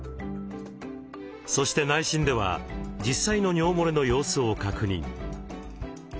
そして内診では実際の尿もれの様子を確認。